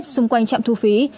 xung quanh trạm thu phí